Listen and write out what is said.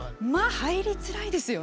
入りづらいですよね。